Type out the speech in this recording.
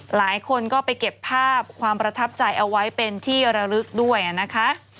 หลายคนก็ไปเก็บภาพความประทับใจเอาไว้เป็นที่ระลึกด้วยนะคะ